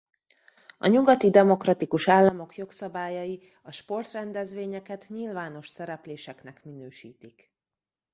A nyugati demokratikus államok jogszabályai a sportrendezvényeket nyilvános szerepléseknek minősítik.